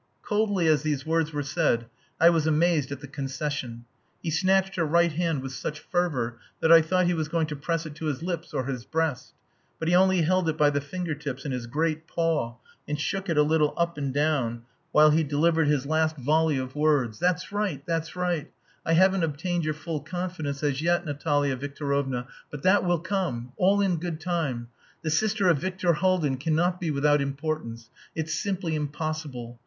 Coldly as these words were said I was amazed at the concession. He snatched her right hand with such fervour that I thought he was going to press it to his lips or his breast. But he only held it by the finger tips in his great paw and shook it a little up and down while he delivered his last volley of words. "That's right. That's right. I haven't obtained your full confidence as yet, Natalia Victorovna, but that will come. All in good time. The sister of Viktor Haldin cannot be without importance.... It's simply impossible.